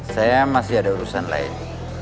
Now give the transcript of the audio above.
saya masih ada urusan lain